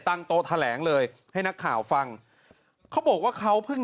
ตั้งโตตลแหลงเลยให้นักข่าวฟังเขาบอกว่าเขาเพิ่งย้ายมาจากจังหวัดพะธลุง